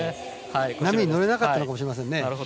波に乗れなかったのかもしれませんね。